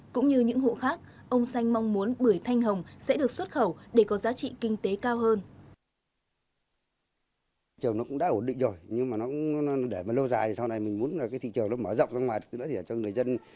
cũng như những hộ khác ông xanh mong muốn bưởi thanh hồng sẽ được xuất khẩu để có giá trị kinh tế cao hơn